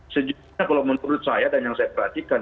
sejujurnya kalau menurut saya dan yang saya perhatikan